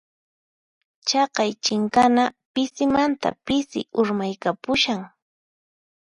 Chaqay chinkana pisimanta pisi urmaykapushan.